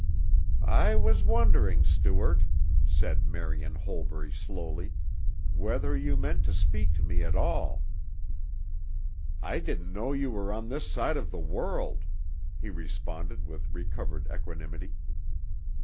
"I was wondering, Stuart," said Marian Holbury slowly, "whether you meant to speak to me at all." "I didn't know you were on this side of the world," he responded with recovered equanimity.